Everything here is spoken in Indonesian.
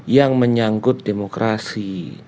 yang menyangkut demokrasi